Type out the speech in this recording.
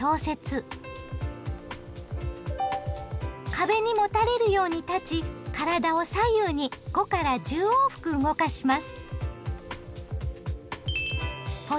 壁にもたれるように立ち体を左右に５１０往復動かします。